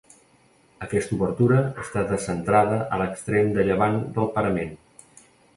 Aquesta obertura està descentrada a l'extrem de llevant del parament.